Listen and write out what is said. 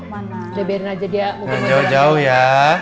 mana mana aja dia jauh jauh ya